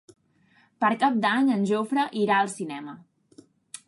Per Cap d'Any en Jofre irà al cinema.